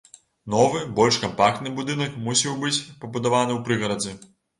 Новы, больш кампактны будынак мусіў быць пабудаваны ў прыгарадзе.